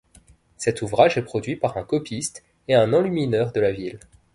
Cet ouvrage est produit par un copiste et un enlumineur de la ville.